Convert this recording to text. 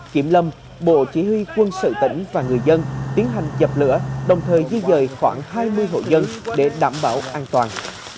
kiểm lâm bộ chỉ huy quân sự tỉnh và người dân tiến hành dập lửa đồng thời di dời khoảng hai mươi hộ dân để đảm bảo an toàn